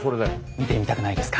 見てみたくないですか？